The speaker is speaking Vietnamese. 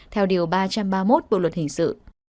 theo điều ba trăm ba mươi một bộ luật hình sự